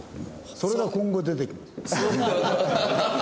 それが今後出てきます。